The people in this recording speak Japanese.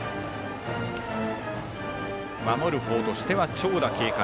守る方としては長打警戒。